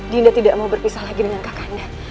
dinda tidak mau berpisah lagi dengan kakaknya